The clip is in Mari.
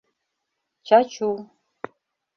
Чачу.